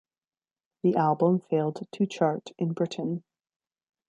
The album failed to chart in Britain.